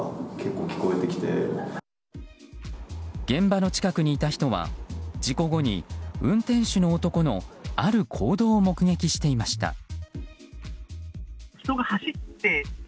現場の近くにいた人は事故後に、運転手の男のある行動を目撃していました。